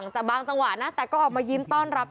แต่ก็ออกมายิ้มต้อนรับ